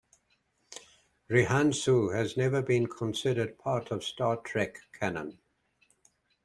"Rihannsu" has never been considered part of "Star Trek" canon.